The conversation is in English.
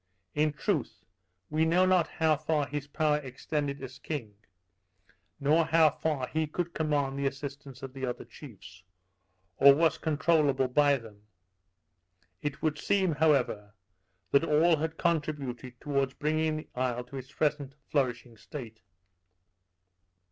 In truth, we know not how far his power extended as king, nor how far he could command the assistance of the other chiefs, or was controulable by them. It should seem, however, that all had contributed towards bringing the isle to its present flourishing state.